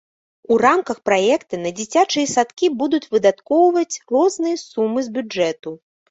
У рамках праекта на дзіцячыя садкі будуць выдаткоўваць розныя сумы з бюджэту.